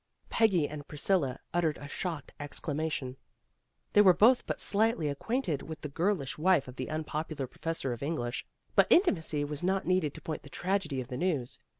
Peggy and Priscilla uttered a shocked ex clamation. They were both but slightly ac quainted with the girlish wife of the unpopu lar professor of English, but intimacy was not needed to point the tragedy of the news.